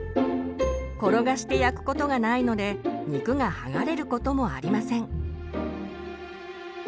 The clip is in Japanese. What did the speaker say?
転がして焼くことがないので肉が剥がれることもありません。